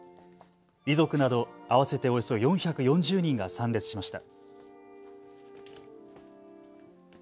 遺族など合わせておよそ４４０人が参列しました。